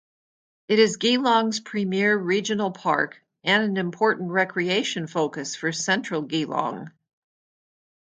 It is Geelong's premier regional park and an important recreation focus for central Geelong.